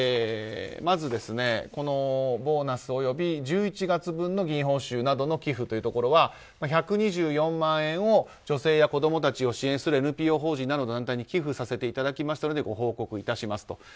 まず、ボーナスおよび１１月分の議員報酬の寄付というところは１２４万円を女性や子供たちを支援するＮＰＯ法人などの団体に寄付させていただきましたのでご報告いたしますと。